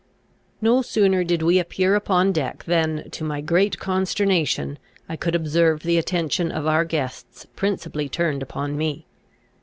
No sooner did we appear upon deck than, to my great consternation, I could observe the attention of our guests principally turned upon me.